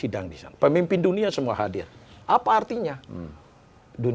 kemarin pengakuan dunia terhadap presiden